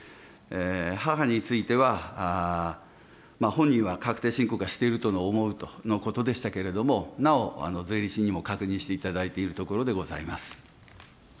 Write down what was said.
母については、本人は確定申告はしていると思うとのことでしたけれども、なお、税理士にも確認していただいているところでございます。